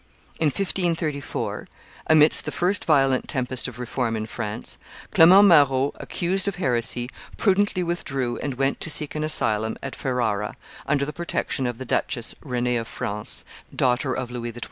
In 1534, amidst the first violent tempest of reform in France, Clement Marot, accused of heresy, prudently withdrew and went to seek an asylum at Ferrara, under the protection of the duchess, Renee of France, daughter of Louis XII.